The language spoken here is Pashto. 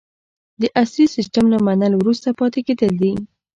د عصري سیستم نه منل وروسته پاتې کیدل دي.